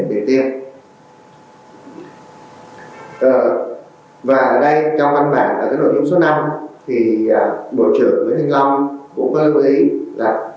để đảm bảo đến hết tháng tám năm hai nghìn hai mươi một sẽ có thêm một triệu liều vaccine covid một mươi chín